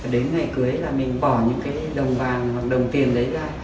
đến ngày cưới là mình bỏ những cái đồng vàng hoặc đồng tiền đấy ra